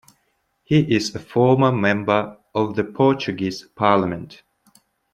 He is a former Member of the Portuguese Parliament.